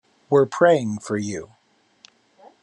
We're praying for you.